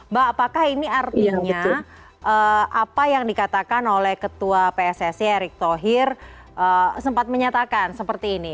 mbak apakah ini artinya apa yang dikatakan oleh ketua pssi erick thohir sempat menyatakan seperti ini